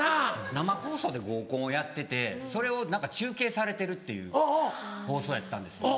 生放送で合コンをやっててそれを中継されてるっていう放送やったんですけど。